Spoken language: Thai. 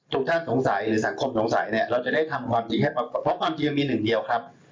ทุกท่านสงสัยหรือสังคมสงสัยเนี่ยเราจะได้ทำความจริงให้ปรากฏเพราะความจริงมันมีหนึ่งเดียวครับ